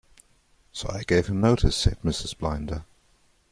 "So I gave him notice," said Mrs. Blinder.